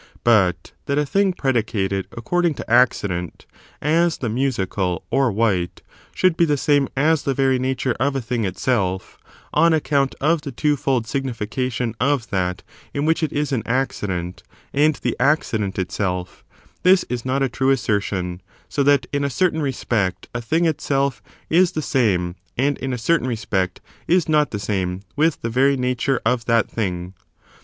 4. That they But that a thing predicated according to acci !!l. *l'?il dent,^ as the musical or white, should be the same Min6 in tii6 ' case of what is as the vcry nature of a thing itself, on account of oOTdteg^toacci *^® twofold signification of that in which it is an dent. accident and the accident itself, this is not a true assertion ; so that in a certain respect a thing itself is the same, and in a certain respect is not the same, with the very nature of that thing.